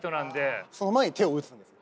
その前に手を打つんですね？